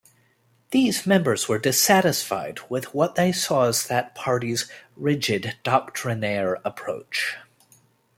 These members were dissatisfied with what they saw as that party's rigid, doctrinaire approach.